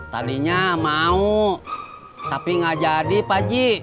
tadinya mau tapi nggak jadi paji